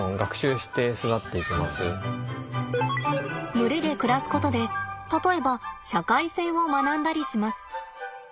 群れで暮らすことで例えば社会性を学んだりします。